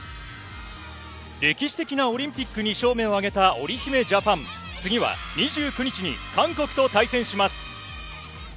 歴史的なオリンピック２勝目を挙げたおりひめジャパン、次は２９日に韓国と対戦します。